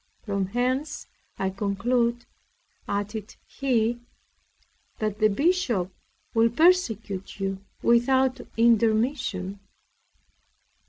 From whence I conclude, added he, that the Bishop will persecute you without intermission.